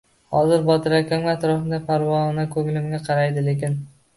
Hozir Botir akam atrofimda parvona, ko`nglimga qaraydi, lekin